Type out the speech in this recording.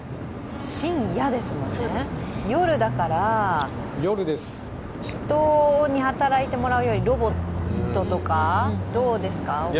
深夜ですもんね、夜だから、人に働いてもらうよりロボットとか、どうですか、お二人は。